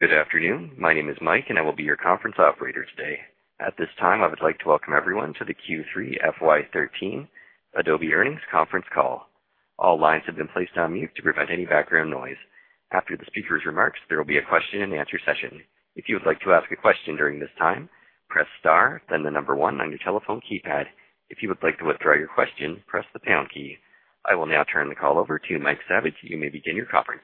Good afternoon. My name is Mike, and I will be your conference operator today. At this time, I would like to welcome everyone to the Q3 FY 2013 Adobe Earnings Conference Call. All lines have been placed on mute to prevent any background noise. After the speaker's remarks, there will be a question-and-answer session. If you would like to ask a question during this time, press star, then 1 on your telephone keypad. If you would like to withdraw your question, press the pound key. I will now turn the call over to Mike Saviage. You may begin your conference.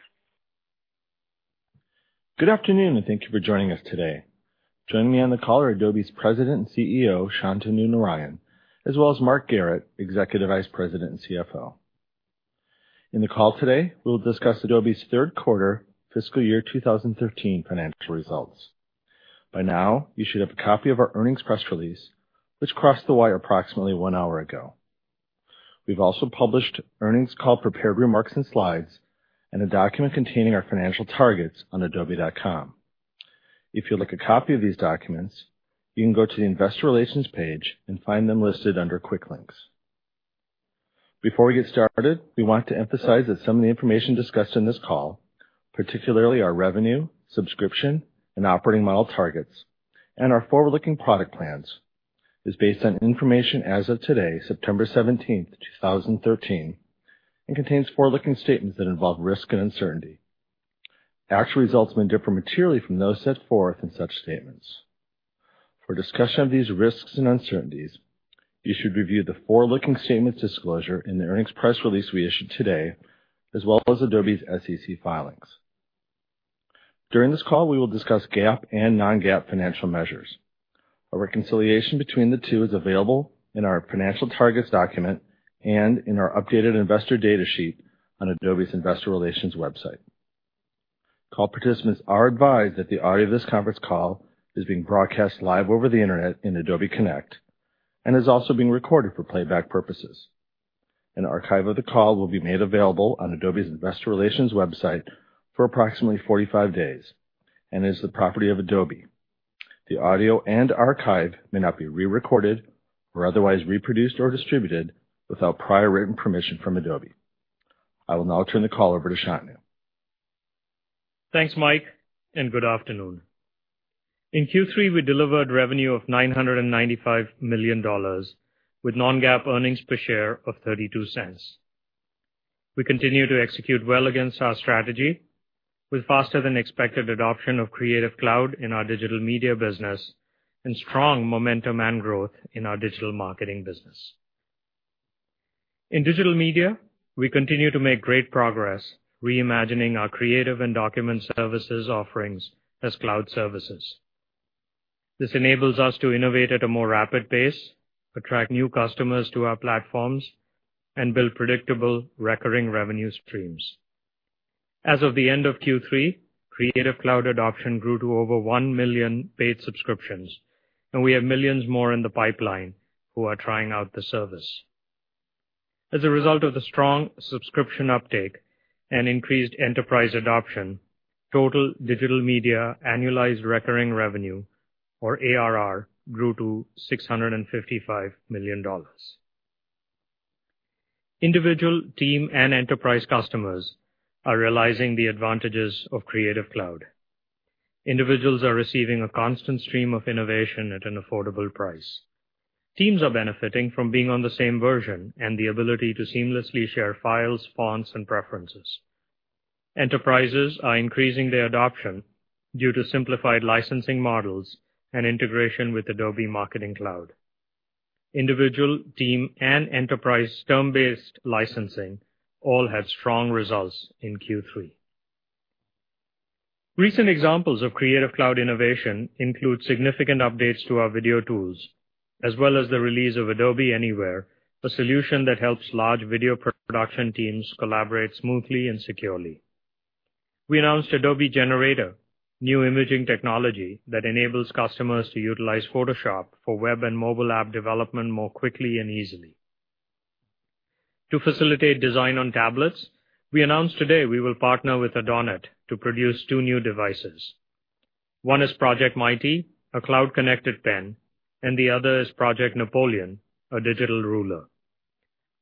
Good afternoon, and thank you for joining us today. Joining me on the call are Adobe's President and CEO, Shantanu Narayen, as well as Mark Garrett, Executive Vice President and CFO. In the call today, we will discuss Adobe's 3rd quarter FY 2013 financial results. By now, you should have a copy of our earnings press release, which crossed the wire approximately 1 hour ago. We've also published earnings call prepared remarks and slides, and a document containing our financial targets on adobe.com. If you'd like a copy of these documents, you can go to the investor relations page and find them listed under quick links. Before we get started, we want to emphasize that some of the information discussed in this call, particularly our revenue, subscription, and operating model targets, and our forward-looking product plans, is based on information as of today, September 17th, 2013, and contains forward-looking statements that involve risk and uncertainty. Actual results may differ materially from those set forth in such statements. For a discussion of these risks and uncertainties, you should review the forward-looking statements disclosure in the earnings press release we issued today, as well as Adobe's SEC filings. During this call, we will discuss GAAP and non-GAAP financial measures. A reconciliation between the two is available in our financial targets document and in our updated investor data sheet on Adobe's investor relations website. Call participants are advised that the audio of this conference call is being broadcast live over the internet in Adobe Connect and is also being recorded for playback purposes. An archive of the call will be made available on Adobe's investor relations website for approximately 45 days and is the property of Adobe. The audio and archive may not be re-recorded or otherwise reproduced or distributed without prior written permission from Adobe. I will now turn the call over to Shantanu. Thanks, Mike, and good afternoon. In Q3, we delivered revenue of $995 million with non-GAAP earnings per share of $0.32. We continue to execute well against our strategy with faster than expected adoption of Creative Cloud in our digital media business and strong momentum and growth in our digital marketing business. In digital media, we continue to make great progress reimagining our creative and document services offerings as cloud services. This enables us to innovate at a more rapid pace, attract new customers to our platforms, and build predictable recurring revenue streams. As of the end of Q3, Creative Cloud adoption grew to over 1 million paid subscriptions, and we have millions more in the pipeline who are trying out the service. As a result of the strong subscription uptake and increased enterprise adoption, total digital media annualized recurring revenue, or ARR, grew to $655 million. Individual team and enterprise customers are realizing the advantages of Creative Cloud. Individuals are receiving a constant stream of innovation at an affordable price. Teams are benefiting from being on the same version and the ability to seamlessly share files, fonts, and preferences. Enterprises are increasing their adoption due to simplified licensing models and integration with Adobe Marketing Cloud. Individual team and enterprise term-based licensing all had strong results in Q3. Recent examples of Creative Cloud innovation include significant updates to our video tools, as well as the release of Adobe Anywhere, a solution that helps large video production teams collaborate smoothly and securely. We announced Adobe Generator, new imaging technology that enables customers to utilize Photoshop for web and mobile app development more quickly and easily. To facilitate design on tablets, we announced today we will partner with Adonit to produce two new devices. One is Project Mighty, a cloud-connected pen, and the other is Project Napoleon, a digital ruler.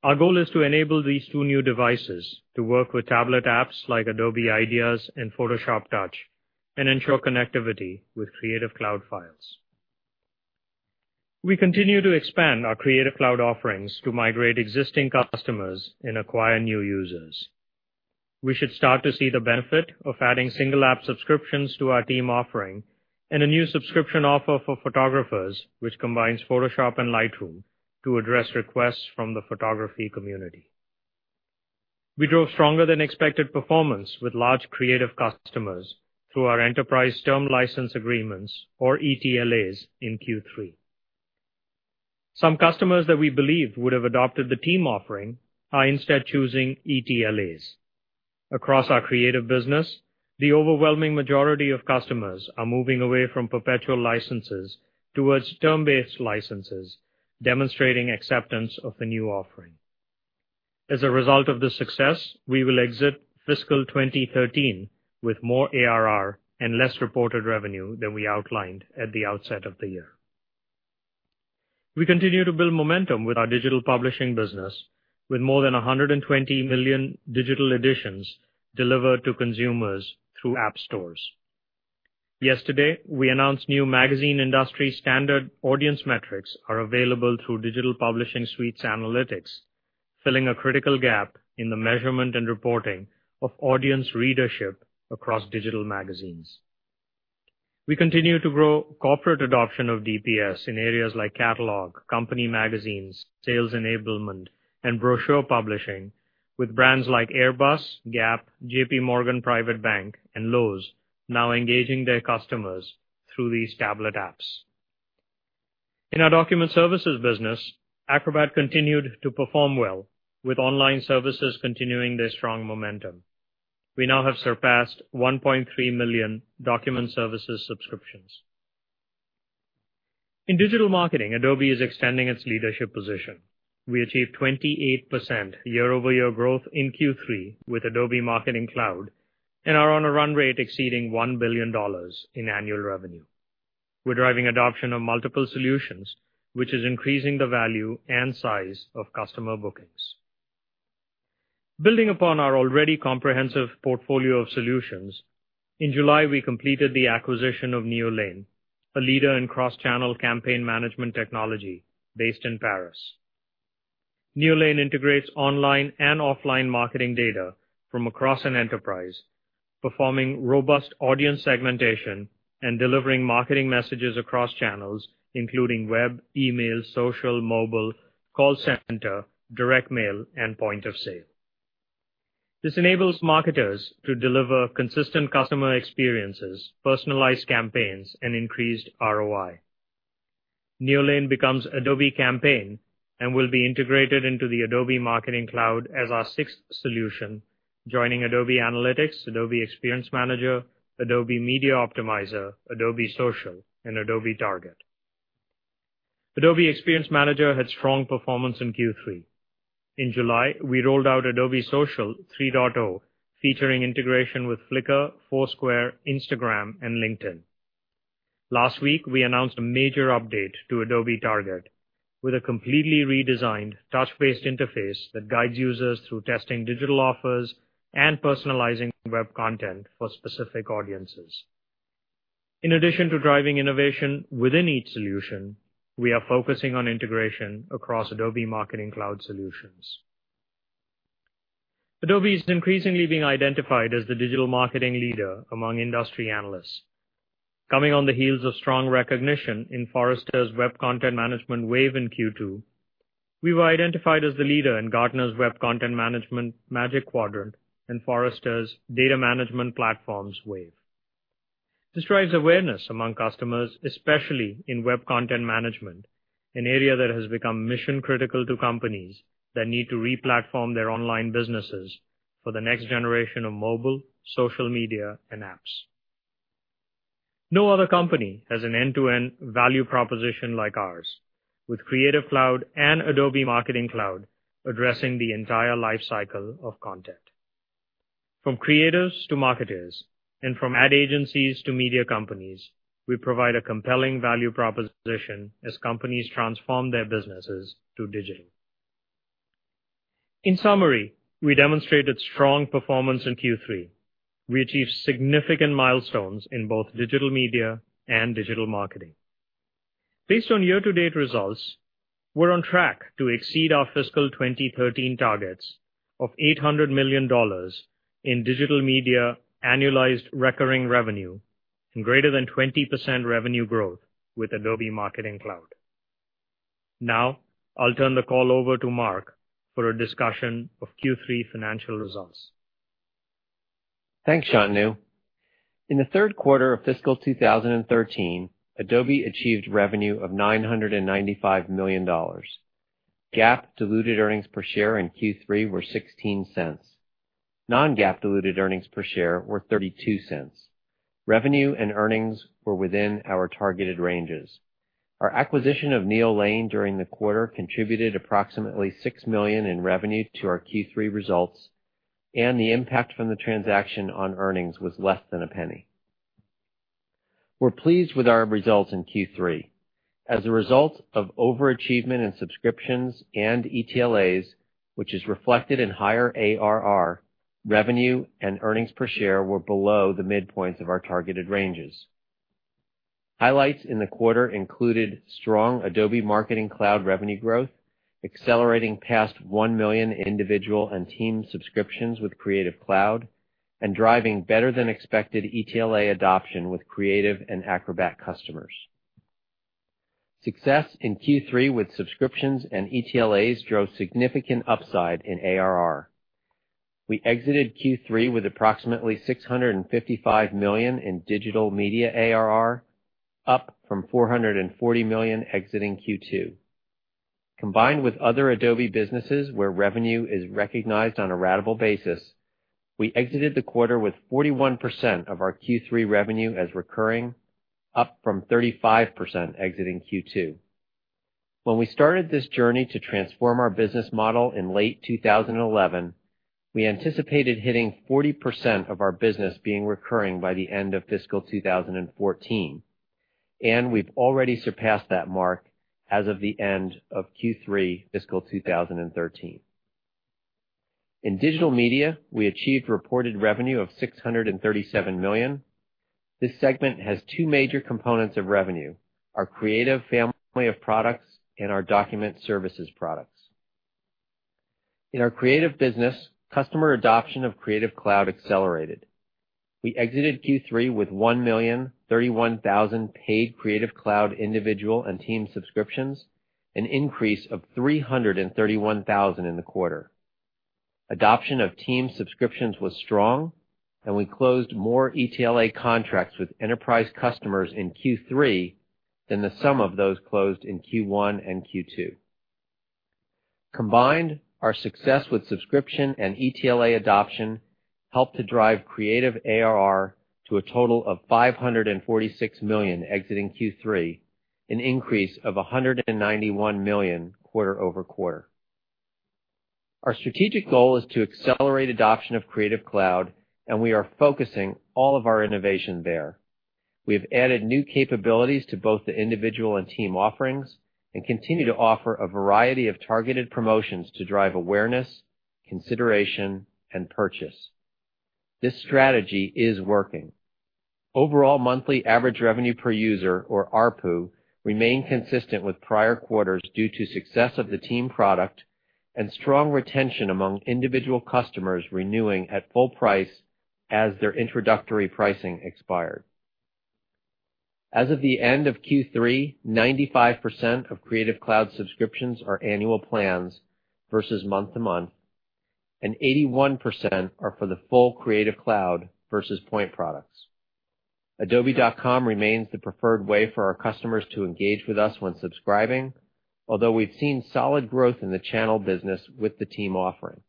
Our goal is to enable these two new devices to work with tablet apps like Adobe Ideas and Photoshop Touch and ensure connectivity with Creative Cloud files. We continue to expand our Creative Cloud offerings to migrate existing customers and acquire new users. We should start to see the benefit of adding single-app subscriptions to our team offering and a new subscription offer for photographers, which combines Photoshop and Lightroom to address requests from the photography community. We drove stronger than expected performance with large creative customers through our enterprise term license agreements, or ETLAs, in Q3. Some customers that we believed would have adopted the team offering are instead choosing ETLAs. Across our creative business, the overwhelming majority of customers are moving away from perpetual licenses towards term-based licenses, demonstrating acceptance of the new offering. As a result of this success, we will exit fiscal 2013 with more ARR and less reported revenue than we outlined at the outset of the year. We continue to build momentum with our digital publishing business with more than 120 million digital editions delivered to consumers through app stores. Yesterday, we announced new magazine industry standard audience metrics are available through Digital Publishing Suite's analytics, filling a critical gap in the measurement and reporting of audience readership across digital magazines. We continue to grow corporate adoption of DPS in areas like catalog, company magazines, sales enablement, and brochure publishing with brands like Airbus, Gap, J.P. Morgan Private Bank, and Lowe's now engaging their customers through these tablet apps. In our document services business, Acrobat continued to perform well, with online services continuing their strong momentum. We now have surpassed 1.3 million document services subscriptions. In digital marketing, Adobe is extending its leadership position. We achieved 28% year-over-year growth in Q3 with Adobe Marketing Cloud and are on a run rate exceeding $1 billion in annual revenue. We're driving adoption of multiple solutions, which is increasing the value and size of customer bookings. Building upon our already comprehensive portfolio of solutions, in July, we completed the acquisition of Neolane, a leader in cross-channel campaign management technology based in Paris. Neolane integrates online and offline marketing data from across an enterprise, performing robust audience segmentation and delivering marketing messages across channels, including web, email, social, mobile, call center, direct mail, and point of sale. This enables marketers to deliver consistent customer experiences, personalized campaigns, and increased ROI. Neolane becomes Adobe Campaign and will be integrated into the Adobe Marketing Cloud as our sixth solution, joining Adobe Analytics, Adobe Experience Manager, Adobe Media Optimizer, Adobe Social, and Adobe Target. Adobe Experience Manager had strong performance in Q3. In July, we rolled out Adobe Social 3.0, featuring integration with Flickr, Foursquare, Instagram, and LinkedIn. Last week, we announced a major update to Adobe Target with a completely redesigned touch-based interface that guides users through testing digital offers and personalizing web content for specific audiences. In addition to driving innovation within each solution, we are focusing on integration across Adobe Marketing Cloud solutions. Adobe is increasingly being identified as the digital marketing leader among industry analysts. Coming on the heels of strong recognition in Forrester's Web Content Management Wave in Q2, we were identified as the leader in Gartner's Web Content Management Magic Quadrant and Forrester's Data Management Platforms Wave. This drives awareness among customers, especially in web content management, an area that has become mission-critical to companies that need to replatform their online businesses for the next generation of mobile, social media, and apps. No other company has an end-to-end value proposition like ours. With Creative Cloud and Adobe Marketing Cloud addressing the entire life cycle of content. From creatives to marketers, and from ad agencies to media companies, we provide a compelling value proposition as companies transform their businesses to digital. In summary, we demonstrated strong performance in Q3. We achieved significant milestones in both digital media and digital marketing. Based on year-to-date results, we're on track to exceed our fiscal 2013 targets of $800 million in digital media annualized recurring revenue and greater than 20% revenue growth with Adobe Marketing Cloud. Now, I'll turn the call over to Mark for a discussion of Q3 financial results. Thanks, Shantanu. In the third quarter of fiscal 2013, Adobe achieved revenue of $995 million. GAAP diluted earnings per share in Q3 were $0.16. Non-GAAP diluted earnings per share were $0.32. Revenue and earnings were within our targeted ranges. Our acquisition of Neolane during the quarter contributed approximately $6 million in revenue to our Q3 results, and the impact from the transaction on earnings was less than $0.01. We're pleased with our results in Q3. As a result of overachievement in subscriptions and ETLAs, which is reflected in higher ARR, revenue and earnings per share were below the midpoints of our targeted ranges. Highlights in the quarter included strong Adobe Marketing Cloud revenue growth, accelerating past 1 million individual and team subscriptions with Creative Cloud, and driving better-than-expected ETLA adoption with Creative and Acrobat customers. Success in Q3 with subscriptions and ETLAs drove significant upside in ARR. We exited Q3 with approximately $655 million in Digital Media ARR, up from $440 million exiting Q2. Combined with other Adobe businesses where revenue is recognized on a ratable basis, we exited the quarter with 41% of our Q3 revenue as recurring, up from 35% exiting Q2. When we started this journey to transform our business model in late 2011, we anticipated hitting 40% of our business being recurring by the end of fiscal 2014, and we've already surpassed that mark as of the end of Q3 fiscal 2013. In Digital Media, we achieved reported revenue of $637 million. This segment has two major components of revenue: our Creative family of products and our Document Services products. In our Creative business, customer adoption of Creative Cloud accelerated. We exited Q3 with 1,031,000 paid Creative Cloud individual and team subscriptions, an increase of 331,000 in the quarter. Adoption of team subscriptions was strong. We closed more ETLA contracts with enterprise customers in Q3 than the sum of those closed in Q1 and Q2. Combined, our success with subscription and ETLA adoption helped to drive Creative ARR to a total of $546 million exiting Q3, an increase of $191 million quarter-over-quarter. Our strategic goal is to accelerate adoption of Creative Cloud. We are focusing all of our innovation there. We have added new capabilities to both the individual and team offerings and continue to offer a variety of targeted promotions to drive awareness, consideration, and purchase. This strategy is working. Overall, monthly average revenue per user, or ARPU, remained consistent with prior quarters due to success of the team product and strong retention among individual customers renewing at full price as their introductory pricing expired. As of the end of Q3, 95% of Creative Cloud subscriptions are annual plans versus month-to-month, and 81% are for the full Creative Cloud versus point products. adobe.com remains the preferred way for our customers to engage with us when subscribing, although we've seen solid growth in the channel business with the team offering.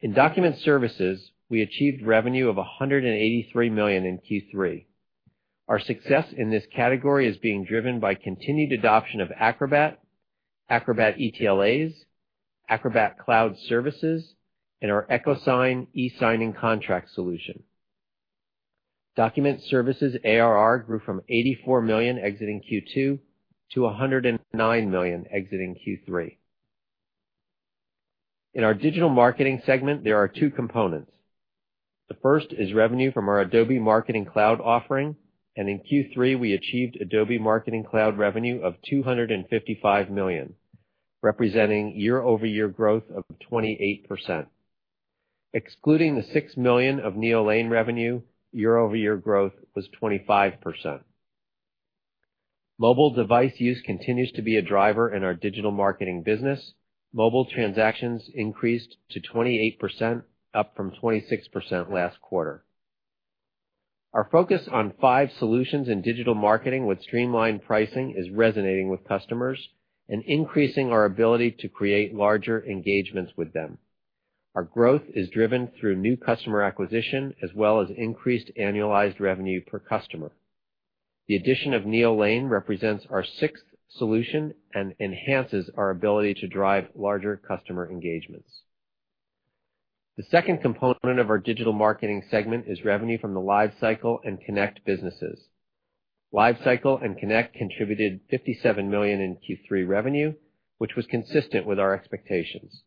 In Document Services, we achieved revenue of $183 million in Q3. Our success in this category is being driven by continued adoption of Acrobat ETLAs, Acrobat cloud services, and our EchoSign e-signing contract solution. Document Services ARR grew from $84 million exiting Q2 to $109 million exiting Q3. In our Digital Marketing segment, there are two components. The first is revenue from our Adobe Marketing Cloud offering. In Q3, we achieved Adobe Marketing Cloud revenue of $255 million, representing year-over-year growth of 28%. Excluding the $6 million of Neolane revenue, year-over-year growth was 25%. Mobile device use continues to be a driver in our Digital Marketing business. Mobile transactions increased to 28%, up from 26% last quarter. Our focus on five solutions in Digital Marketing with streamlined pricing is resonating with customers and increasing our ability to create larger engagements with them. Our growth is driven through new customer acquisition as well as increased annualized revenue per customer. The addition of Neolane represents our sixth solution and enhances our ability to drive larger customer engagements. The second component of our Digital Marketing segment is revenue from the LiveCycle and Connect businesses. LiveCycle and Connect contributed $57 million in Q3 revenue, which was consistent with our expectations.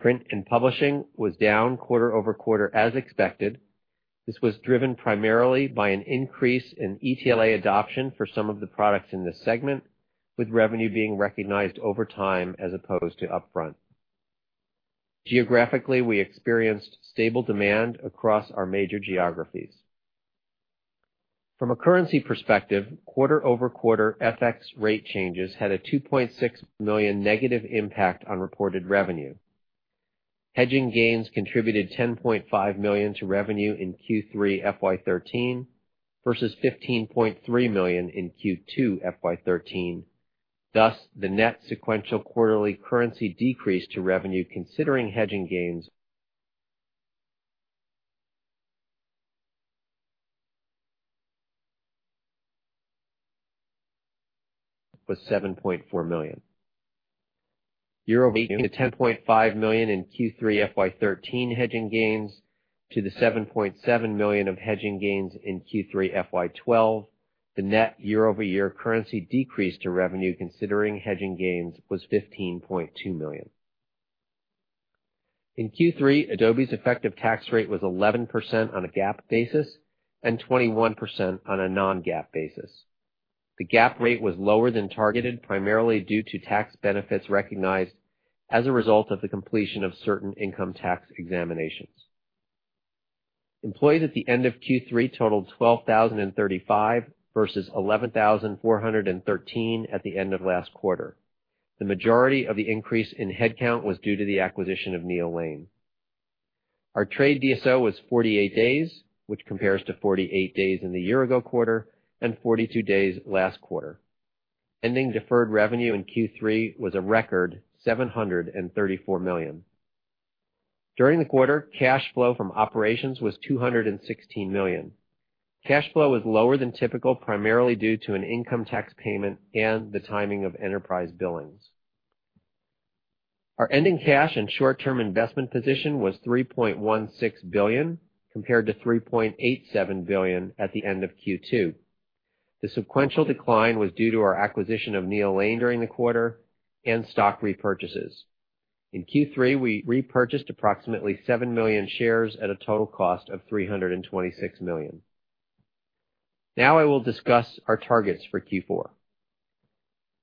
Print and publishing was down quarter-over-quarter as expected. This was driven primarily by an increase in ETLA adoption for some of the products in this segment, with revenue being recognized over time as opposed to upfront. Geographically, we experienced stable demand across our major geographies. From a currency perspective, quarter-over-quarter FX rate changes had a $2.6 million negative impact on reported revenue. Hedging gains contributed $10.5 million to revenue in Q3 FY 2013 versus $15.3 million in Q2 FY 2013. Thus, the net sequential quarterly currency decrease to revenue considering hedging gains was $7.4 million. Year-over-year $10.5 million in Q3 FY 2013 hedging gains to the $7.7 million of hedging gains in Q3 FY 2012. The net year-over-year currency decrease to revenue considering hedging gains was $15.2 million. In Q3, Adobe's effective tax rate was 11% on a GAAP basis and 21% on a non-GAAP basis. The GAAP rate was lower than targeted, primarily due to tax benefits recognized as a result of the completion of certain income tax examinations. Employees at the end of Q3 totaled 12,035 versus 11,413 at the end of last quarter. The majority of the increase in headcount was due to the acquisition of Neolane. Our trade DSO was 48 days, which compares to 48 days in the year-ago quarter and 42 days last quarter. Ending deferred revenue in Q3 was a record $734 million. During the quarter, cash flow from operations was $216 million. Cash flow was lower than typical, primarily due to an income tax payment and the timing of enterprise billings. Our ending cash and short-term investment position was $3.16 billion, compared to $3.87 billion at the end of Q2. The sequential decline was due to our acquisition of Neolane during the quarter and stock repurchases. In Q3, we repurchased approximately 7 million shares at a total cost of $326 million. Now I will discuss our targets for Q4.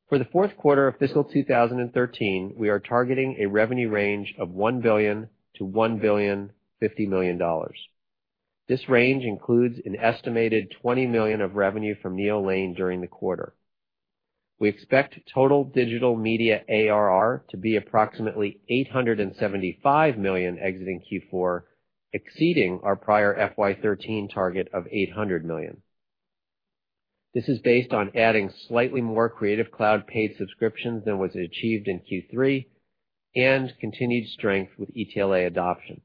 For the fourth quarter of fiscal 2013, we are targeting a revenue range of $1 billion to $1.05 billion. This range includes an estimated $20 million of revenue from Neolane during the quarter. We expect total digital media ARR to be approximately $875 million exiting Q4, exceeding our prior FY 2013 target of $800 million. This is based on adding slightly more Creative Cloud paid subscriptions than was achieved in Q3 and continued strength with ETLA adoption.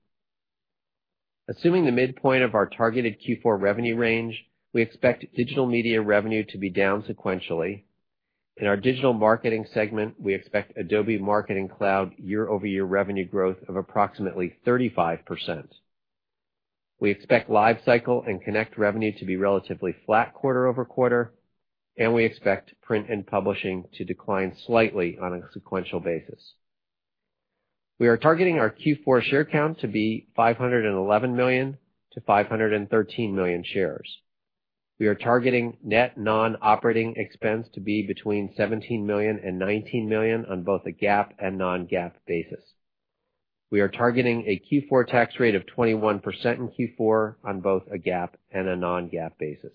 Assuming the midpoint of our targeted Q4 revenue range, we expect digital media revenue to be down sequentially. In our digital marketing segment, we expect Adobe Marketing Cloud year-over-year revenue growth of approximately 35%. We expect LiveCycle and Connect revenue to be relatively flat quarter-over-quarter, and we expect print and publishing to decline slightly on a sequential basis. We are targeting our Q4 share count to be 511 million to 513 million shares. We are targeting net non-operating expense to be between $17 million and $19 million on both a GAAP and non-GAAP basis. We are targeting a Q4 tax rate of 21% in Q4 on both a GAAP and a non-GAAP basis.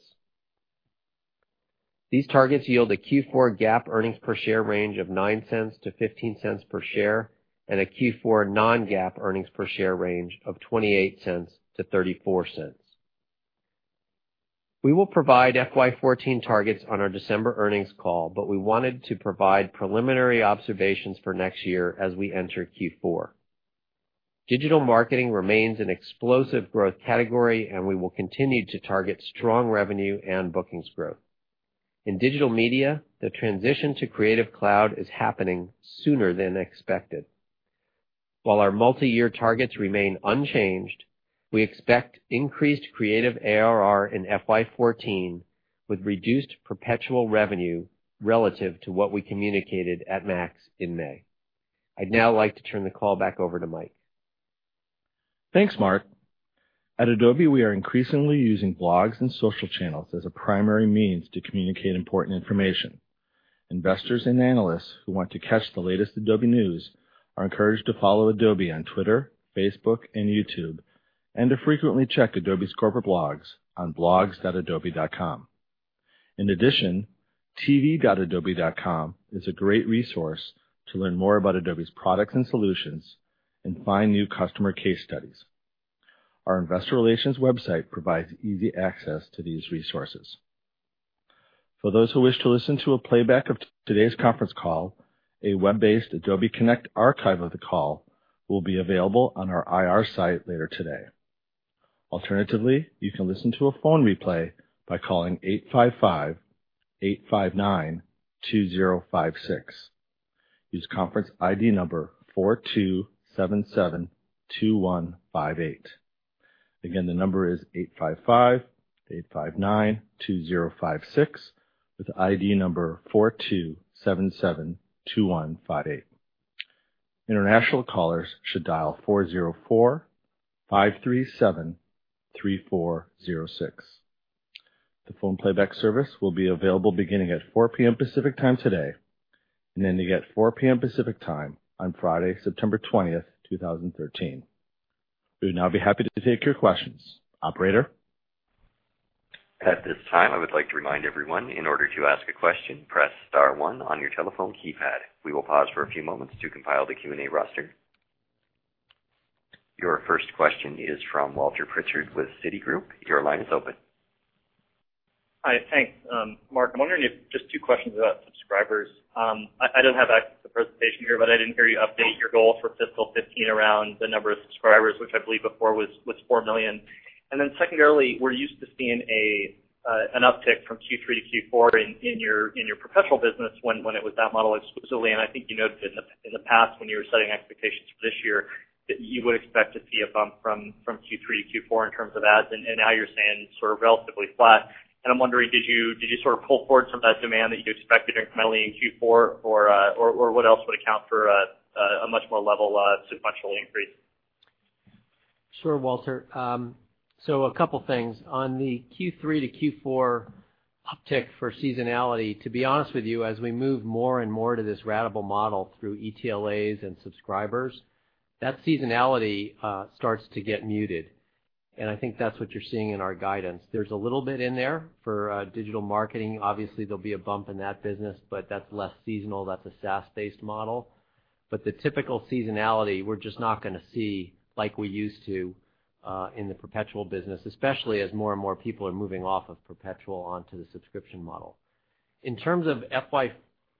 These targets yield a Q4 GAAP earnings per share range of $0.09 to $0.15 per share and a Q4 non-GAAP earnings per share range of $0.28 to $0.34. We will provide FY 2014 targets on our December earnings call, but we wanted to provide preliminary observations for next year as we enter Q4. Digital marketing remains an explosive growth category. We will continue to target strong revenue and bookings growth. In digital media, the transition to Creative Cloud is happening sooner than expected. While our multi-year targets remain unchanged, we expect increased creative ARR in FY 2014 with reduced perpetual revenue relative to what we communicated at MAX in May. I'd now like to turn the call back over to Mike. Thanks, Mark. At Adobe, we are increasingly using blogs and social channels as a primary means to communicate important information. Investors and analysts who want to catch the latest Adobe news are encouraged to follow Adobe on Twitter, Facebook, and YouTube, to frequently check Adobe's corporate blogs on blogs.adobe.com. In addition, tv.adobe.com is a great resource to learn more about Adobe's products and solutions and find new customer case studies. Our investor relations website provides easy access to these resources. For those who wish to listen to a playback of today's conference call, a web-based Adobe Connect archive of the call will be available on our IR site later today. Alternatively, you can listen to a phone replay by calling 855-859-2056. Use conference ID number 42772158. Again, the number is 855-859-2056 with ID number 42772158. International callers should dial 404-537-3406. The phone playback service will be available beginning at 4:00 P.M. Pacific Time today, ending at 4:00 P.M. Pacific Time on Friday, September 20th, 2013. We would now be happy to take your questions. Operator? At this time, I would like to remind everyone, in order to ask a question, press *1 on your telephone keypad. We will pause for a few moments to compile the Q&A roster. Your first question is from Walter Pritchard with Citigroup. Your line is open. Hi. Thanks, Mark. Just two questions about subscribers. I don't have access to presentation here, but I didn't hear you update your goal for FY 2015 around the number of subscribers, which I believe before was 4 million. Secondarily, we're used to seeing an uptick from Q3 to Q4 in your professional business when it was that model exclusively, and I think you noted in the past when you were setting expectations for this year that you would expect to see a bump from Q3 to Q4 in terms of ads, and now you're saying sort of relatively flat. I'm wondering, did you sort of pull forward some of that demand that you expected mainly in Q4? Or what else would account for a much more level sequential increase? Sure, Walter. A couple things. On the Q3 to Q4 uptick for seasonality, to be honest with you, as we move more and more to this ratable model through ETLAs and subscribers, that seasonality starts to get muted, and I think that's what you're seeing in our guidance. There's a little bit in there for digital marketing. Obviously, there'll be a bump in that business, but that's less seasonal. That's a SaaS-based model. The typical seasonality, we're just not going to see like we used to in the perpetual business, especially as more and more people are moving off of perpetual onto the subscription model. In terms of FY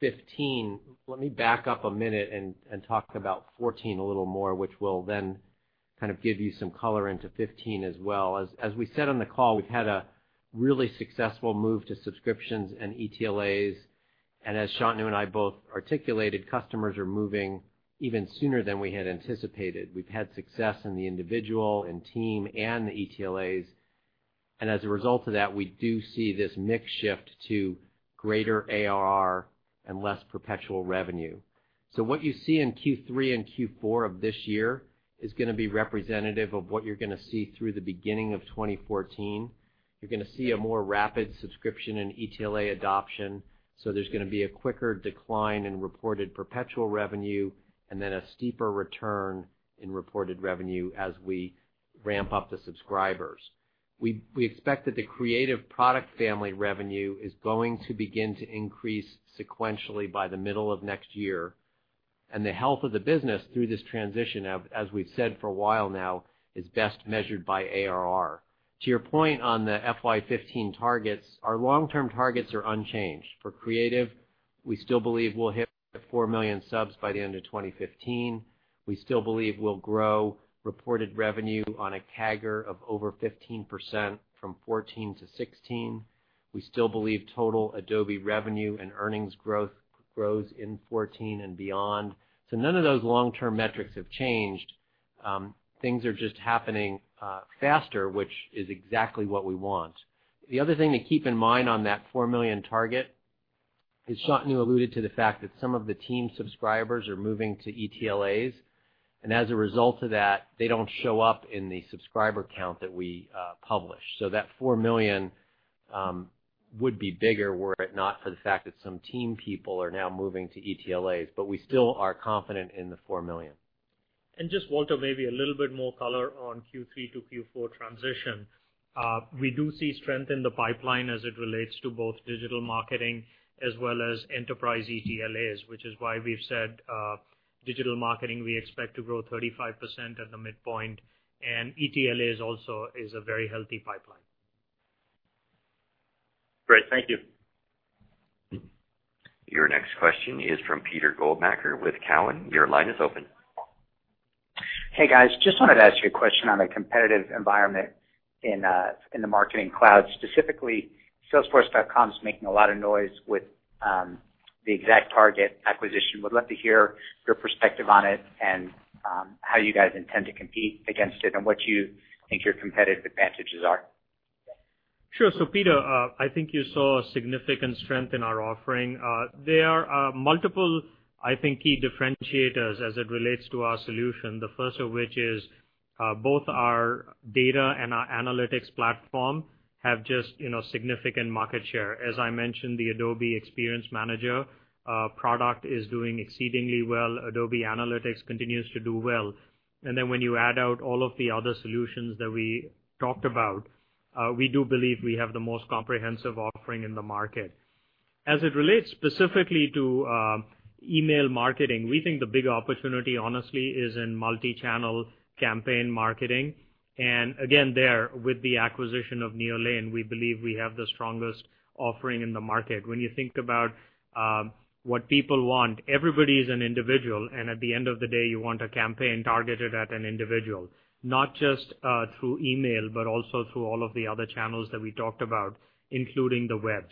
2015, let me back up a minute and talk about 2014 a little more, which will then kind of give you some color into 2015 as well. As we said on the call, we've had a really successful move to subscriptions and ETLAs, and as Shantanu and I both articulated, customers are moving even sooner than we had anticipated. We've had success in the individual and team and the ETLAs, and as a result of that, we do see this mix shift to greater ARR and less perpetual revenue. What you see in Q3 and Q4 of this year is going to be representative of what you're going to see through the beginning of 2014. You're going to see a more rapid subscription and ETLA adoption. There's going to be a quicker decline in reported perpetual revenue, a steeper return in reported revenue as we ramp up the subscribers. We expect that the Creative product family revenue is going to begin to increase sequentially by the middle of next year, and the health of the business through this transition, as we've said for a while now, is best measured by ARR. To your point on the FY 2015 targets, our long-term targets are unchanged. For Creative, we still believe we'll hit 4 million subs by the end of 2015. We still believe we'll grow reported revenue on a CAGR of over 15% from 2014 to 2016. We still believe total Adobe revenue and earnings growth grows in 2014 and beyond. None of those long-term metrics have changed. Things are just happening faster, which is exactly what we want. The other thing to keep in mind on that 4 million target is Shantanu alluded to the fact that some of the team subscribers are moving to ETLAs, and as a result of that, they don't show up in the subscriber count that we publish. That 4 million would be bigger were it not for the fact that some team people are now moving to ETLAs, but we still are confident in the 4 million. Just, Walter, maybe a little bit more color on Q3 to Q4 transition. We do see strength in the pipeline as it relates to both digital marketing as well as enterprise ETLAs, which is why we've said digital marketing, we expect to grow 35% at the midpoint. ETLAs also is a very healthy pipeline. Great. Thank you. Your next question is from Peter Goldmacher with Cowen. Your line is open. Hey, guys. Just wanted to ask you a question on the competitive environment in the Marketing Cloud, specifically Salesforce.com is making a lot of noise with the ExactTarget acquisition. Would love to hear your perspective on it and how you guys intend to compete against it and what you think your competitive advantages are. Sure. Peter, I think you saw a significant strength in our offering. There are multiple, I think, key differentiators as it relates to our solution. The first of which is both our data and our analytics platform have just significant market share. As I mentioned, the Adobe Experience Manager product is doing exceedingly well. Adobe Analytics continues to do well. When you add out all of the other solutions that we talked about, we do believe we have the most comprehensive offering in the market. As it relates specifically to email marketing, we think the big opportunity, honestly, is in multi-channel campaign marketing. Again, there, with the acquisition of Neolane, we believe we have the strongest offering in the market. When you think about what people want, everybody's an individual, and at the end of the day, you want a campaign targeted at an individual, not just through email, but also through all of the other channels that we talked about, including the web.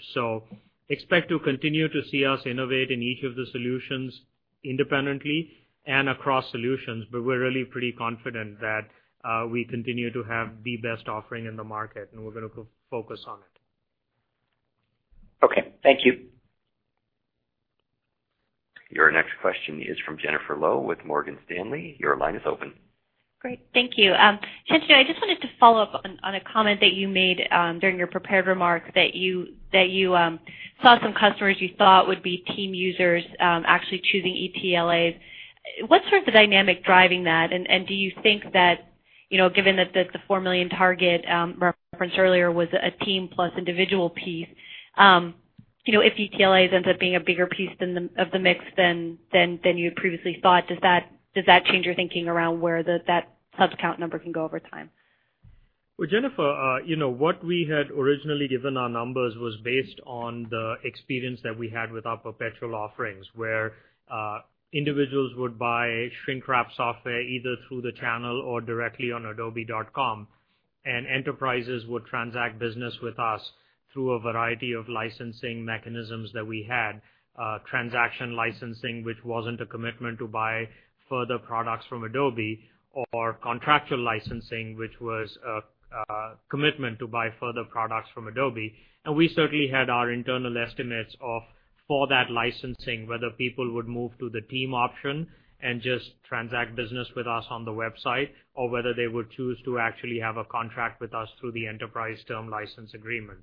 Expect to continue to see us innovate in each of the solutions independently and across solutions. We're really pretty confident that we continue to have the best offering in the market, and we're going to go focus on it. Okay. Thank you. Your next question is from Jennifer Lowe with Morgan Stanley. Your line is open. Great. Thank you. Shantanu, I just wanted to follow up on a comment that you made during your prepared remarks that you saw some customers you thought would be team users actually choosing ETLAs. What is sort of the dynamic driving that, and do you think that, given that the $4 million target referenced earlier was a team plus individual piece, if ETLAs ends up being a bigger piece of the mix than you had previously thought, does that change your thinking around where that sub count number can go over time? Well, Jennifer, what we had originally given our numbers was based on the experience that we had with our perpetual offerings, where individuals would buy shrink wrap software either through the channel or directly on adobe.com, and enterprises would transact business with us through a variety of licensing mechanisms that we had. Transaction licensing, which wasn't a commitment to buy further products from Adobe, or contractual licensing, which was a commitment to buy further products from Adobe. We certainly had our internal estimates for that licensing, whether people would move to the team option and just transact business with us on the website, or whether they would choose to actually have a contract with us through the enterprise term license agreement.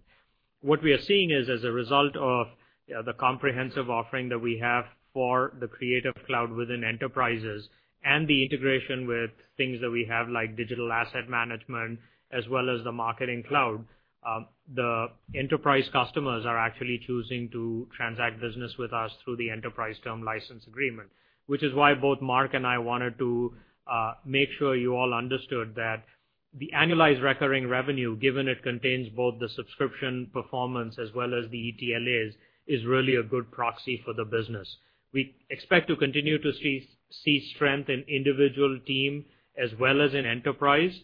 What we are seeing is, as a result of the comprehensive offering that we have for the Creative Cloud within enterprises and the integration with things that we have, like digital asset management, as well as the Marketing Cloud, the enterprise customers are actually choosing to transact business with us through the enterprise term license agreement. Which is why both Mark and I wanted to make sure you all understood that the annualized recurring revenue, given it contains both the subscription performance as well as the ETLAs, is really a good proxy for the business. We expect to continue to see strength in individual team as well as in enterprise,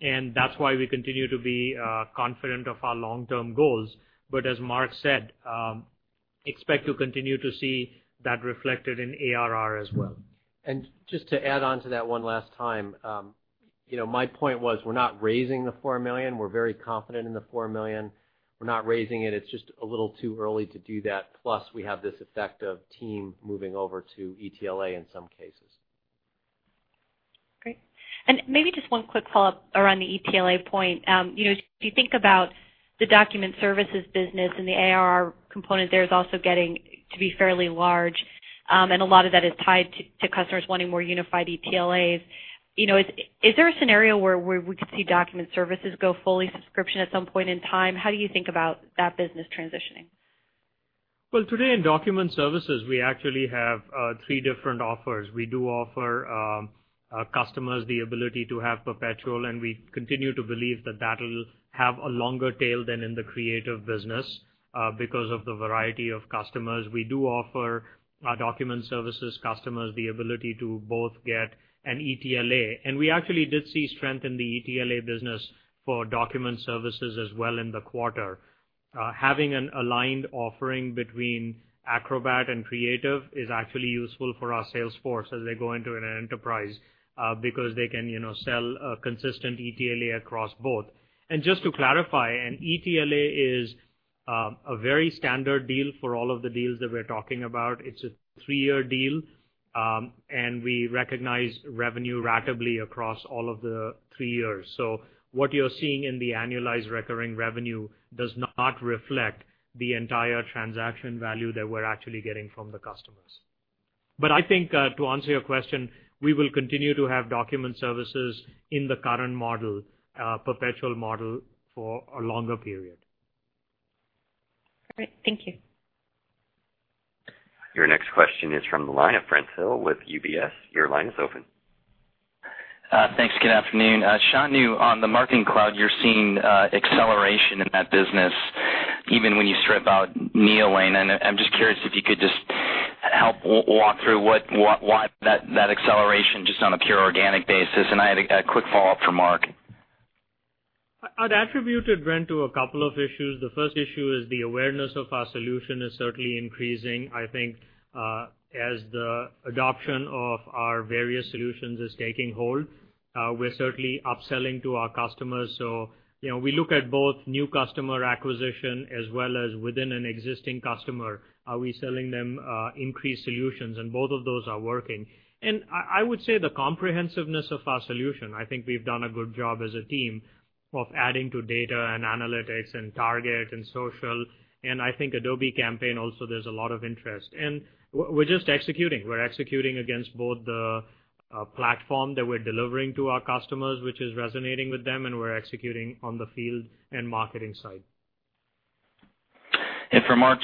and that is why we continue to be confident of our long-term goals. As Mark said, expect to continue to see that reflected in ARR as well. Just to add on to that one last time. My point was, we're not raising the $4 million. We're very confident in the $4 million. We're not raising it. It's just a little too early to do that. Plus, we have this effect of team moving over to ETLA in some cases. Great. Maybe just one quick follow-up around the ETLA point. If you think about the document services business and the ARR component, there's also getting to be fairly large, and a lot of that is tied to customers wanting more unified ETLAs. Is there a scenario where we could see document services go fully subscription at some point in time? How do you think about that business transitioning? Well, today in document services, we actually have three different offers. We do offer our customers the ability to have perpetual, and we continue to believe that that'll have a longer tail than in the creative business because of the variety of customers. We do offer our document services customers the ability to both get an ETLA. We actually did see strength in the ETLA business for document services as well in the quarter. Having an aligned offering between Acrobat and Creative is actually useful for our sales force as they go into an enterprise, because they can sell a consistent ETLA across both. Just to clarify, an ETLA is a very standard deal for all of the deals that we're talking about. It's a three-year deal, and we recognize revenue ratably across all of the three years. What you're seeing in the annualized recurring revenue does not reflect the entire transaction value that we're actually getting from the customers. I think to answer your question, we will continue to have document services in the current model, perpetual model for a longer period. All right. Thank you. Your next question is from the line of Brent Thill with UBS. Your line is open. Thanks. Good afternoon. Shantanu, on the Marketing Cloud, you're seeing acceleration in that business even when you strip out Neolane. I'm just curious if you could just help walk through why that acceleration, just on a pure organic basis. I had a quick follow-up for Mark. I'd attribute it, Brent, to a couple of issues. The first issue is the awareness of our solution is certainly increasing. I think as the adoption of our various solutions is taking hold, we're certainly upselling to our customers. We look at both new customer acquisition as well as within an existing customer, are we selling them increased solutions? Both of those are working. I would say the comprehensiveness of our solution, I think we've done a good job as a team of adding to data and analytics and Target and Social, and I think Adobe Campaign also, there's a lot of interest. We're just executing. We're executing against both the platform that we're delivering to our customers, which is resonating with them, and we're executing on the field and marketing side. For Mark,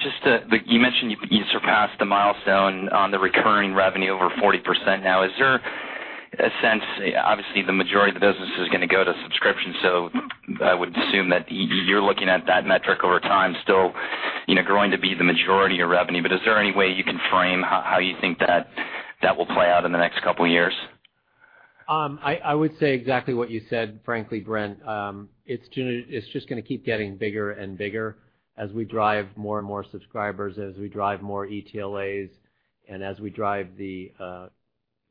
you mentioned you surpassed the milestone on the recurring revenue over 40% now. Obviously, the majority of the business is going to go to subscription, so I would assume that you're looking at that metric over time still growing to be the majority of revenue. Is there any way you can frame how you think that will play out in the next couple of years? I would say exactly what you said, frankly, Brent. It's just going to keep getting bigger and bigger as we drive more and more subscribers, as we drive more ETLAs, and as we drive the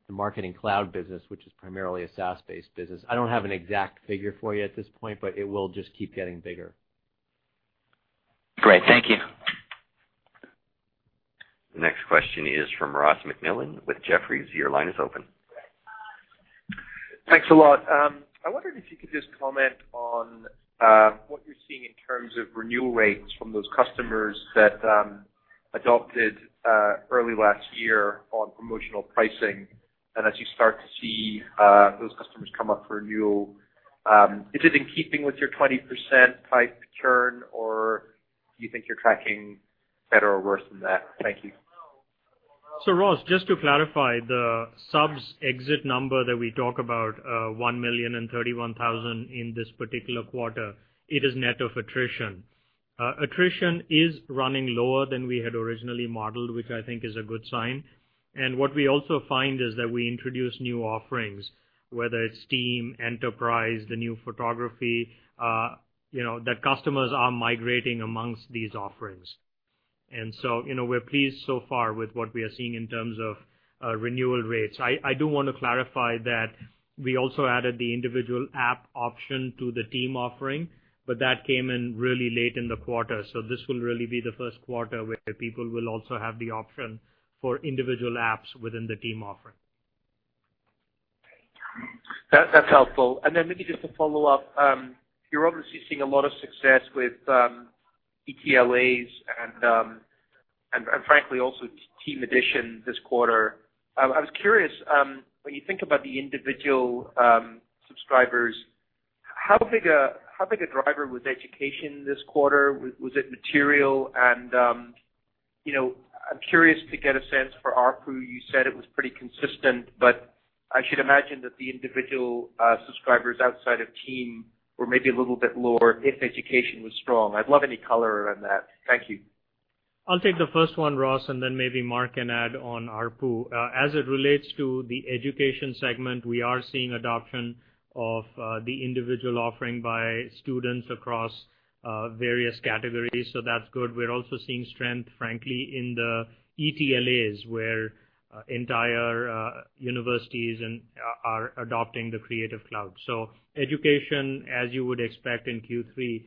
Marketing Cloud business, which is primarily a SaaS-based business. I don't have an exact figure for you at this point, but it will just keep getting bigger. Great. Thank you. The next question is from Ross MacMillan with Jefferies. Your line is open. Thanks a lot. I wondered if you could just comment on what you're seeing in terms of renewal rates from those customers that adopted early last year on promotional pricing. As you start to see those customers come up for renewal, is it in keeping with your 20% type churn, or do you think you're tracking better or worse than that? Thank you. Ross, just to clarify, the subs exit number that we talk about, 1,031,000 in this particular quarter, it is net of attrition. Attrition is running lower than we had originally modeled, which I think is a good sign. What we also find is that we introduce new offerings, whether it's Team, Enterprise, the new Photography, that customers are migrating amongst these offerings. We're pleased so far with what we are seeing in terms of renewal rates. I do want to clarify that we also added the individual app option to the Team offering, but that came in really late in the quarter. This will really be the first quarter where people will also have the option for individual apps within the Team offering. That's helpful. Maybe just to follow up, you're obviously seeing a lot of success with ETLAs and frankly also Team addition this quarter. I was curious, when you think about the individual subscribers How big a driver was education this quarter? Was it material? I'm curious to get a sense for ARPU, you said it was pretty consistent, but I should imagine that the individual subscribers outside of Team were maybe a little bit lower if education was strong. I'd love any color on that. Thank you. I'll take the first one, Ross, and then maybe Mark can add on ARPU. As it relates to the education segment, we are seeing adoption of the individual offering by students across various categories, so that's good. We're also seeing strength, frankly, in the ETLAs, where entire universities are adopting the Creative Cloud. Education, as you would expect in Q3,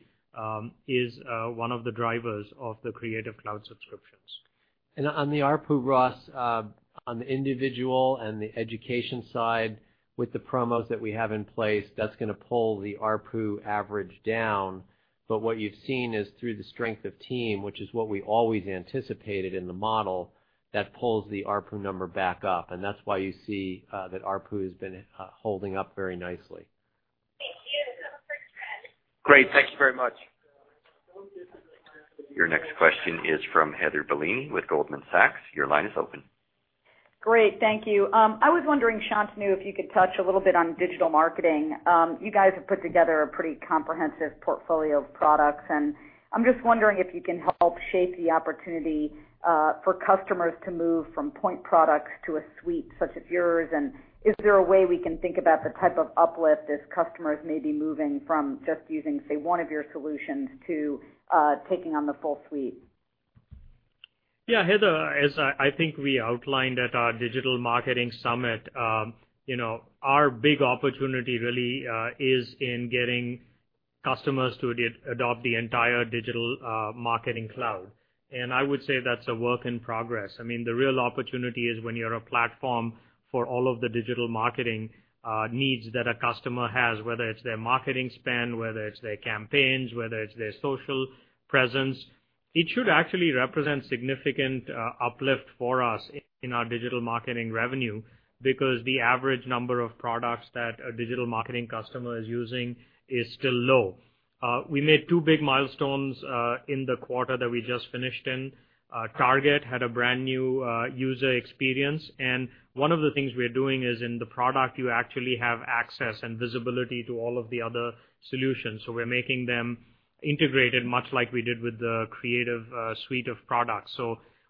is one of the drivers of the Creative Cloud subscriptions. On the ARPU, Ross, on the individual and the education side, with the promos that we have in place, that's going to pull the ARPU average down. What you've seen is through the strength of Team, which is what we always anticipated in the model, that pulls the ARPU number back up, and that's why you see that ARPU has been holding up very nicely. [inaudible] Great. Thank you very much. Your next question is from Heather Bellini with Goldman Sachs. Your line is open. Great. Thank you. I was wondering, Shantanu, if you could touch a little bit on digital marketing. You guys have put together a pretty comprehensive portfolio of products. I'm just wondering if you can help shape the opportunity for customers to move from point products to a suite such as yours. Is there a way we can think about the type of uplift as customers may be moving from just using, say, one of your solutions to taking on the full suite? Yeah, Heather, as I think we outlined at our digital marketing summit, our big opportunity really is in getting customers to adopt the entire Digital Marketing Cloud. I would say that's a work in progress. The real opportunity is when you're a platform for all of the digital marketing needs that a customer has, whether it's their marketing spend, whether it's their campaigns, whether it's their social presence. It should actually represent significant uplift for us in our digital marketing revenue because the average number of products that a digital marketing customer is using is still low. We made two big milestones in the quarter that we just finished in. Target had a brand-new user experience. One of the things we're doing is in the product, you actually have access and visibility to all of the other solutions. We're making them integrated, much like we did with the Creative Suite of products.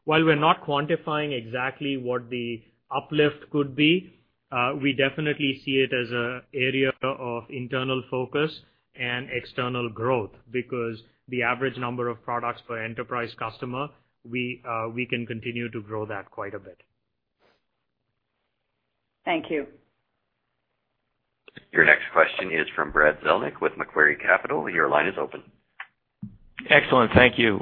While we're not quantifying exactly what the uplift could be, we definitely see it as an area of internal focus and external growth because the average number of products per enterprise customer, we can continue to grow that quite a bit. Thank you. Your next question is from Brad Zelnick with Macquarie Capital. Your line is open. Excellent, thank you.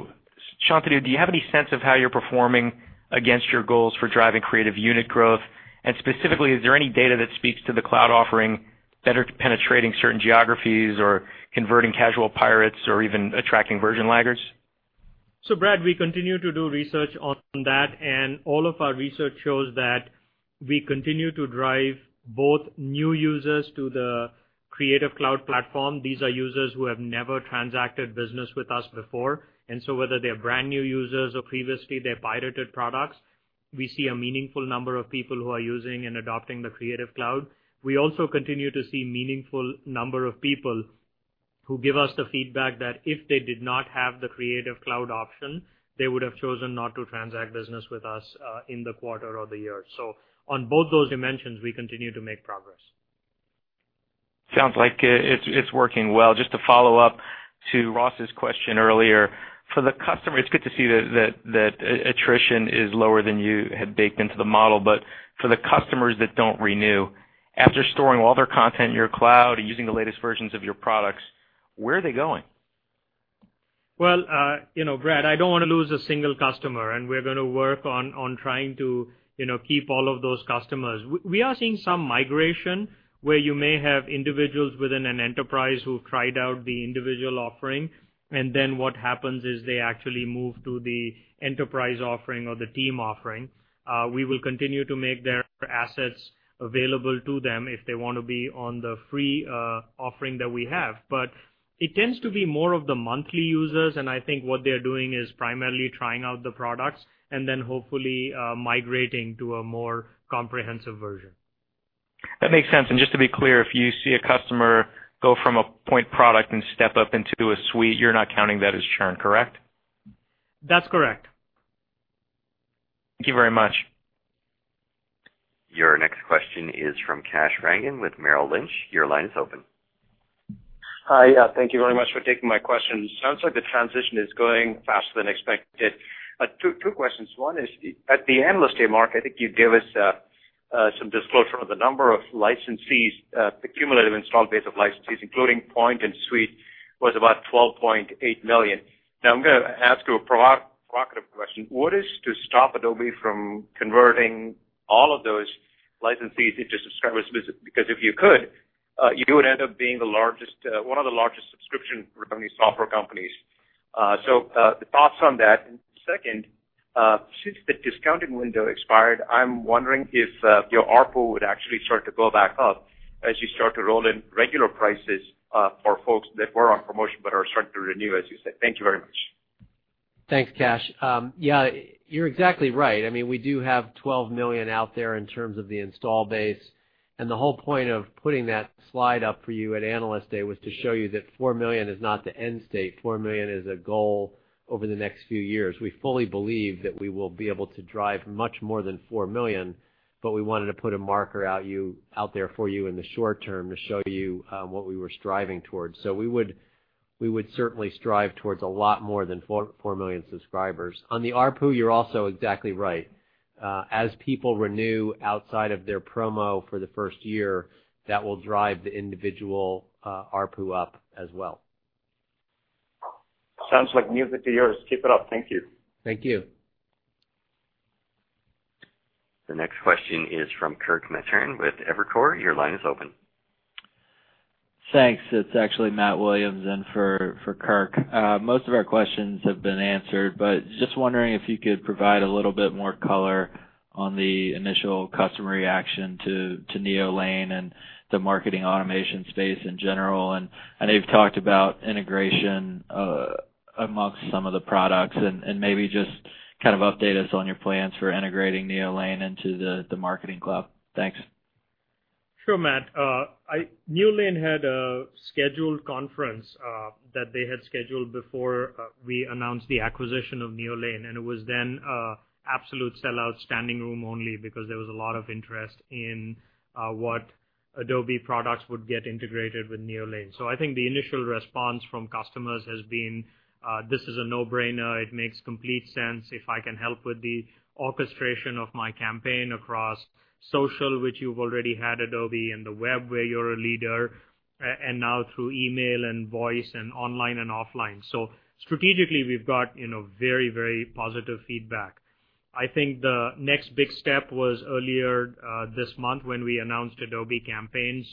Shantanu, do you have any sense of how you're performing against your goals for driving creative unit growth? Specifically, is there any data that speaks to the Creative Cloud offering better penetrating certain geographies or converting casual pirates or even attracting version laggers? Brad, we continue to do research on that, and all of our research shows that we continue to drive both new users to the Creative Cloud platform. These are users who have never transacted business with us before. Whether they're brand-new users or previously they pirated products, we see a meaningful number of people who are using and adopting the Creative Cloud. We also continue to see meaningful number of people who give us the feedback that if they did not have the Creative Cloud option, they would have chosen not to transact business with us in the quarter or the year. On both those dimensions, we continue to make progress. Sounds like it's working well. Just to follow up to Ross's question earlier. It's good to see that attrition is lower than you had baked into the model, for the customers that don't renew, after storing all their content in your cloud and using the latest versions of your products, where are they going? Well, Brad, I don't want to lose a single customer, and we're going to work on trying to keep all of those customers. We are seeing some migration where you may have individuals within an enterprise who've tried out the individual offering, and then what happens is they actually move to the enterprise offering or the Team offering. We will continue to make their assets available to them if they want to be on the free offering that we have. It tends to be more of the monthly users, and I think what they're doing is primarily trying out the products and then hopefully migrating to a more comprehensive version. That makes sense. Just to be clear, if you see a customer go from a point product and step up into a suite, you're not counting that as churn, correct? That's correct. Thank you very much. Your next question is from Kash Rangan with Merrill Lynch. Your line is open. Hi. Thank you very much for taking my question. Sounds like the transition is going faster than expected. Two questions. One is, at the Analyst Day, Mark, I think you gave us some disclosure of the number of licensees, the cumulative install base of licensees, including point and suite, was about 12.8 million. I'm going to ask you a provocative question. What is to stop Adobe from converting all of those licensees into subscribers? If you could, you would end up being one of the largest subscription revenue software companies. The thoughts on that. Second, since the discounting window expired, I'm wondering if your ARPU would actually start to go back up as you start to roll in regular prices for folks that were on promotion but are starting to renew, as you said. Thank you very much. Thanks, Kash. Yeah, you're exactly right. We do have 12 million out there in terms of the install base. The whole point of putting that slide up for you at Analyst Day was to show you that 4 million is not the end state. 4 million is a goal over the next few years. We fully believe that we will be able to drive much more than 4 million, but we wanted to put a marker out there for you in the short term to show you what we were striving towards. We would certainly strive towards a lot more than 4 million subscribers. On the ARPU, you're also exactly right. As people renew outside of their promo for the first year, that will drive the individual ARPU up as well. Sounds like music to ears. Keep it up. Thank you. Thank you. The next question is from Kirk Materne with Evercore. Your line is open. Thanks. It's actually Matt Williams in for Kirk. Most of our questions have been answered, but just wondering if you could provide a little bit more color on the initial customer reaction to Neolane and the marketing automation space in general. I know you've talked about integration amongst some of the products, and maybe just kind of update us on your plans for integrating Neolane into the Marketing Cloud. Thanks. Sure, Matt. Neolane had a scheduled conference that they had scheduled before we announced the acquisition of Neolane, and it was then absolute sellout, standing room only because there was a lot of interest in what Adobe products would get integrated with Neolane. I think the initial response from customers has been, "This is a no-brainer. It makes complete sense if I can help with the orchestration of my campaign across social," which you've already had, Adobe, and the web, where you're a leader, and now through email and voice and online and offline. Strategically, we've got very positive feedback. I think the next big step was earlier this month when we announced Adobe Campaign.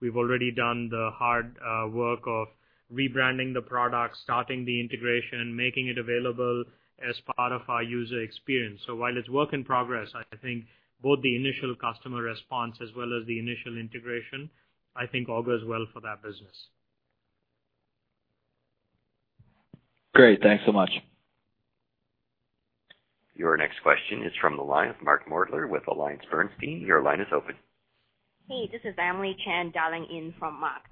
We've already done the hard work of rebranding the product, starting the integration, making it available as part of our user experience. While it's work in progress, I think both the initial customer response as well as the initial integration, I think all goes well for that business. Great. Thanks so much. Your next question is from the line of Mark Moerdler with AllianceBernstein. Your line is open. Hey, this is Emily Chan dialing in for Mark.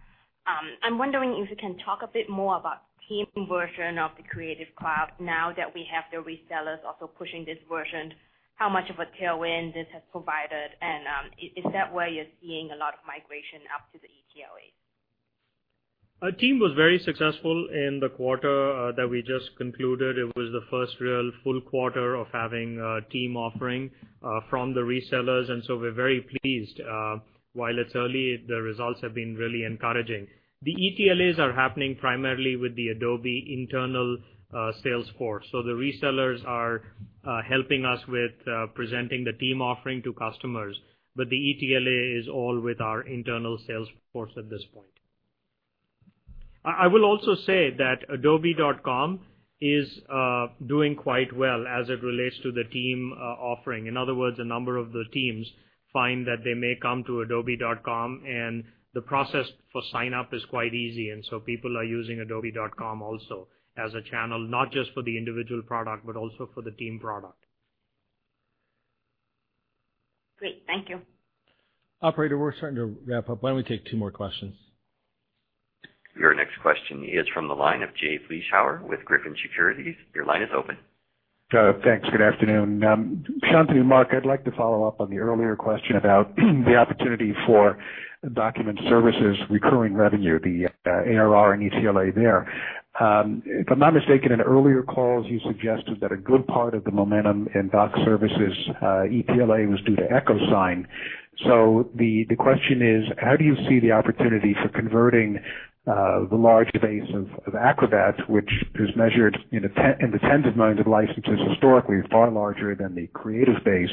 I'm wondering if you can talk a bit more about the team version of the Creative Cloud now that we have the resellers also pushing this version, how much of a tailwind this has provided, and is that where you're seeing a lot of migration up to the ETLAs? Our team was very successful in the quarter that we just concluded. It was the first real full quarter of having a team offering from the resellers. We're very pleased. While it's early, the results have been really encouraging. The ETLAs are happening primarily with the Adobe internal sales force. The resellers are helping us with presenting the team offering to customers. The ETLA is all with our internal sales force at this point. I will also say that adobe.com is doing quite well as it relates to the team offering. In other words, a number of the teams find that they may come to adobe.com, and the process for sign-up is quite easy. People are using adobe.com also as a channel, not just for the individual product, but also for the team product. Great. Thank you. Operator, we're starting to wrap up. Why don't we take two more questions? Your next question is from the line of Jay Vleeschhouwer with Griffin Securities. Your line is open. Thanks. Good afternoon. Shantanu and Mark, I'd like to follow up on the earlier question about the opportunity for document services recurring revenue, the ARR and ETLA there. If I'm not mistaken, in earlier calls, you suggested that a good part of the momentum in document services ETLA was due to EchoSign. The question is, how do you see the opportunity for converting the large base of Acrobat, which is measured in the tens of millions of licenses historically, far larger than the creative base,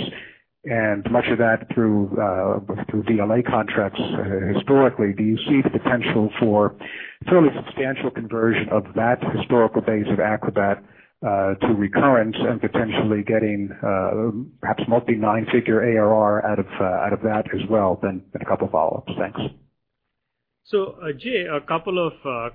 and much of that through DLA contracts historically. Do you see the potential for sort of substantial conversion of that historical base of Acrobat to recurrence and potentially getting perhaps multi-nine figure ARR out of that as well? A couple of follow-ups. Thanks. Jay, a couple of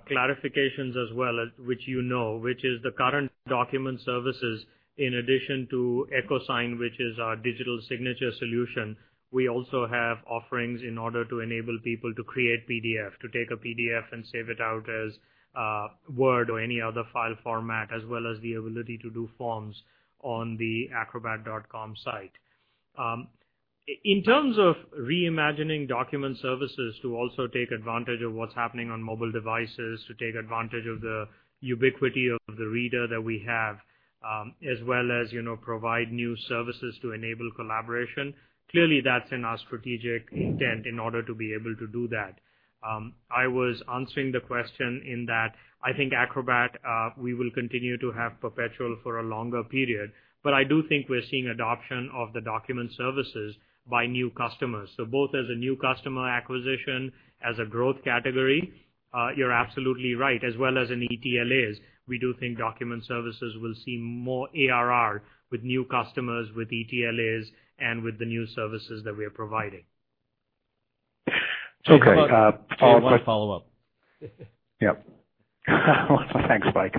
clarifications as well, which you know, which is the current document services in addition to EchoSign, which is our digital signature solution. We also have offerings in order to enable people to create PDF, to take a PDF and save it out as Word or any other file format, as well as the ability to do forms on the acrobat.com site. In terms of re-imagining document services to also take advantage of what's happening on mobile devices, to take advantage of the ubiquity of the reader that we have, as well as provide new services to enable collaboration, clearly, that's in our strategic intent in order to be able to do that. I was answering the question in that I think Acrobat, we will continue to have perpetual for a longer period, but I do think we're seeing adoption of the document services by new customers. Both as a new customer acquisition, as a growth category, you're absolutely right. As well as in ETLAs, we do think document services will see more ARR with new customers, with ETLAs, and with the new services that we are providing. Okay. Jay, one follow-up. Yep. Thanks, Mike.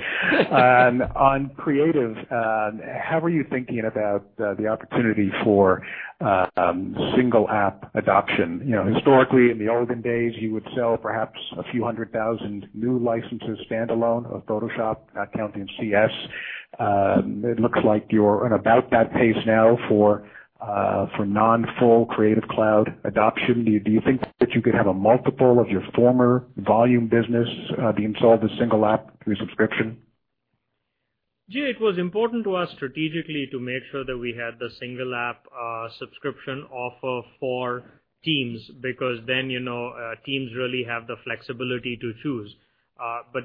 On creative, how are you thinking about the opportunity for single app adoption? Historically, in the olden days, you would sell perhaps a few hundred thousand new licenses standalone of Photoshop, not counting CS. It looks like you're on about that pace now for non-full Creative Cloud adoption. Do you think that you could have a multiple of your former volume business being sold as single app through subscription? Jay, it was important to us strategically to make sure that we had the single app subscription offer for teams, because then teams really have the flexibility to choose.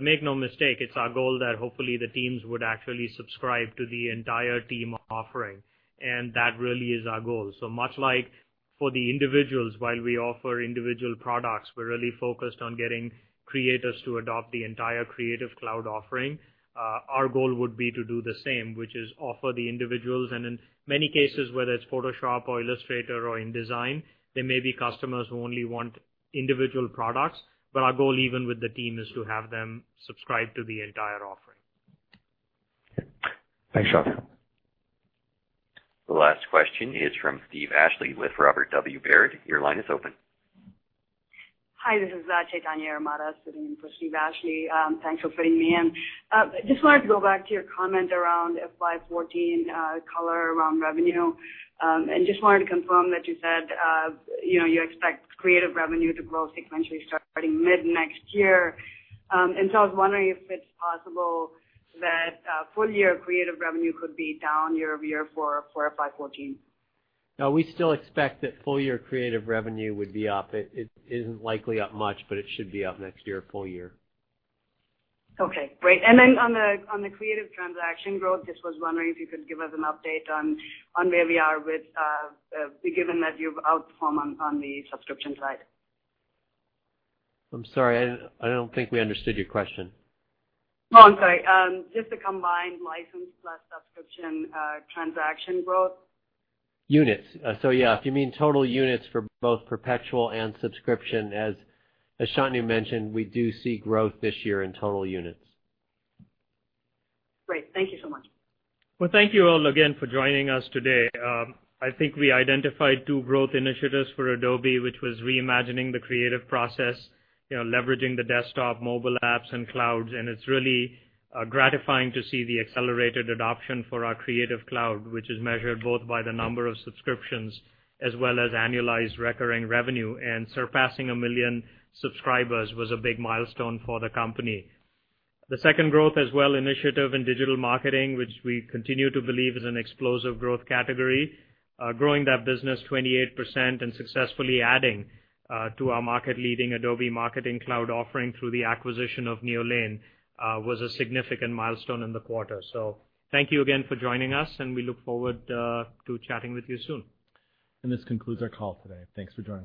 Make no mistake, it's our goal that hopefully the teams would actually subscribe to the entire team offering, and that really is our goal. Much like for the individuals, while we offer individual products, we're really focused on getting creators to adopt the entire Creative Cloud offering. Our goal would be to do the same, which is offer the individuals, and in many cases, whether it's Photoshop or Illustrator or InDesign, there may be customers who only want individual products. Our goal even with the team is to have them subscribe to the entire offering. Thanks, Shantanu. The last question is from Steve Ashley with Robert W. Baird. Your line is open. Hi, this is Chaitanya Yaramada sitting in for Steve Ashley. Thanks for fitting me in. Just wanted to go back to your comment around FY 2014 color around revenue. Just wanted to confirm that you said you expect creative revenue to grow sequentially starting mid-next year. I was wondering if it's possible that full year creative revenue could be down year-over-year for FY 2014. No, we still expect that full year creative revenue would be up. It isn't likely up much, but it should be up next year, full year. Okay, great. On the creative transaction growth, just was wondering if you could give us an update on where we are given that you've outperformed on the subscription side. I'm sorry, I don't think we understood your question. Oh, I'm sorry. Just the combined license plus subscription transaction growth. Units. Yeah, if you mean total units for both perpetual and subscription, as Shantanu mentioned, we do see growth this year in total units. Great. Thank you so much. Well, thank you all again for joining us today. I think we identified two growth initiatives for Adobe, which was reimagining the creative process, leveraging the desktop mobile apps and clouds, and it's really gratifying to see the accelerated adoption for our Creative Cloud, which is measured both by the number of subscriptions as well as annualized recurring revenue. Surpassing a million subscribers was a big milestone for the company. The second growth as well, initiative in digital marketing, which we continue to believe is an explosive growth category. Growing that business 28% and successfully adding to our market-leading Adobe Marketing Cloud offering through the acquisition of Neolane was a significant milestone in the quarter. Thank you again for joining us, and we look forward to chatting with you soon. This concludes our call today. Thanks for joining.